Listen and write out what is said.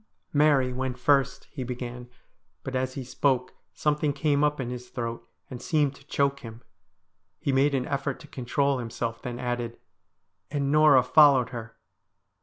' Mary went first,' he began, but as he spoke something came up in his throat and seemed to choke him. He made an effort to control himself, then added, 'And Norah followed her.'